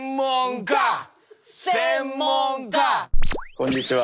こんにちは。